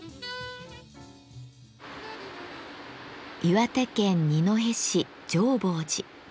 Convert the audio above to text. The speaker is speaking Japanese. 岩手県二戸市浄法寺。